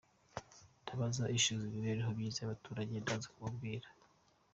Ndabaza ushinzwe imibereho myiza y’abaturage ndaza kukubwira.